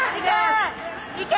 いけ！